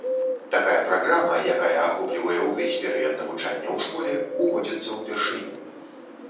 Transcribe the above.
Такая праграма, якая ахоплівае ўвесь перыяд навучання ў школе, уводзіцца ўпершыню.